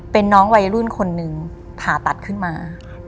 เป็นน้องวัยรุ่นคนหนึ่งผ่าตัดขึ้นมา